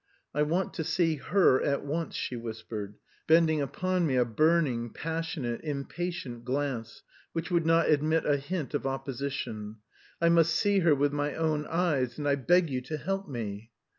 "I want to see her at once," she whispered, bending upon me a burning, passionate, impatient glance, which would not admit a hint of opposition. "I must see her with my own eyes, and I beg you to help me."